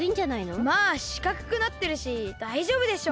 まあしかくくなってるしだいじょうぶでしょ。